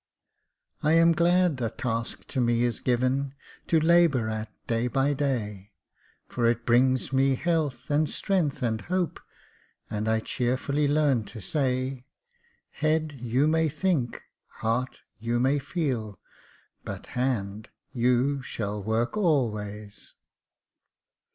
I am glad a task to me is given To labor at day by day; For it brings me health, and strength, and hope, And I cheerfully learn to say 'Head, you may think; heart, you may feel; But hand, you shall work always!'